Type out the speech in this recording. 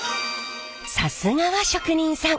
さすがは職人さん。